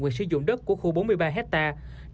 quyền sử dụng đất của khu bốn mươi ba hectare